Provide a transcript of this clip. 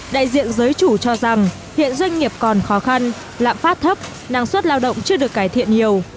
đại diện giới chủ cho rằng hiện doanh nghiệp còn khó khăn lạm phát thấp năng suất lao động chưa được cải thiện nhiều